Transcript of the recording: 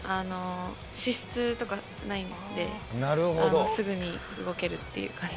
脂質とかないんで、すぐに動けるという感じで。